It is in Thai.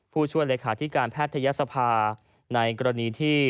ผู้ช่วยเลขาธิการแพทยศภาในกรณีที่